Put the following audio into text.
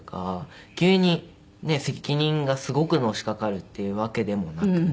急に責任がすごくのしかかるっていうわけでもなく。